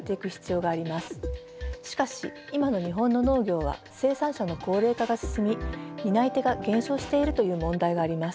しかし今の日本の農業は生産者の高齢化が進み担い手が減少しているという問題があります。